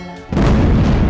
kita harus menjaga rena